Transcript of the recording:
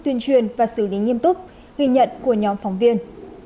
tuyên truyền và xử lý nghiêm túc ghi nhận của nhóm phóng viên